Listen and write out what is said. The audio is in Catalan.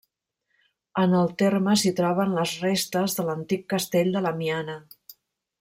En el terme s'hi troben les restes de l’antic castell de la Miana.